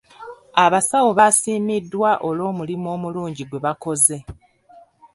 Abasawo baasiimiddwa olw'omulimu omulungi gwe bakoze.